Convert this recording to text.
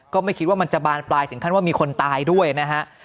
ก็ไม่คิดว่ามันจะบานปลายถึงขั้นว่ามีคนตายด้วยนะฮะ